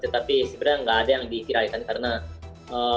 tapi sebenarnya tidak ada yang viral